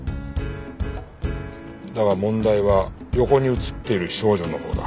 だが問題は横に写っている少女のほうだ。